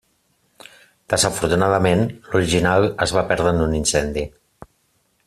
Desafortunadament l'original es va perdre en un incendi.